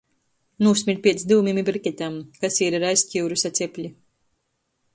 Nūsmird piec dyumim i briketem — kasīre ir aizkiuruse cepli.